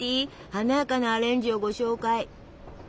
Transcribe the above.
華やかなアレンジをご紹介！